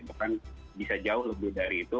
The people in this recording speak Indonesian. bahkan bisa jauh lebih dari itu